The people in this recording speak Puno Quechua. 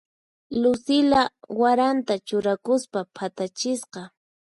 Lucila waranta churakuspa phatachisqa.